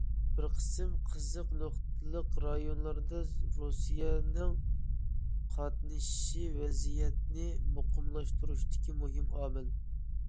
بىر قىسىم قىزىق نۇقتىلىق رايونلاردا رۇسىيەنىڭ قاتنىشىشى ۋەزىيەتنى مۇقىملاشتۇرۇشتىكى مۇھىم ئامىل.